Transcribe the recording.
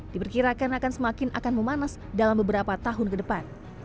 diperkirakan akan semakin akan memanas dalam beberapa tahun ke depan